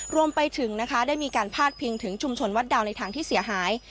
รวมไปถึงนะคะได้มีการพาดพิงถึงชุมชนวัดดาวในทางที่เสียหาย